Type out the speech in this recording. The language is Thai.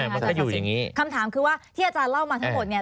มันจะอยู่อย่างนี้คำถามคือว่าที่อาจารย์เล่ามาทั้งหมดเนี่ย